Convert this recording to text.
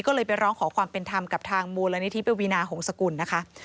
ก็เลยไปร้องขอความเป็นธรรมกับทางมูลนิธิปวีนาหงษกุลนะคะ